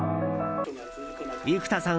生田さん